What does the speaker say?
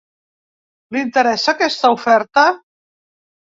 Li interessa aquesta oferta?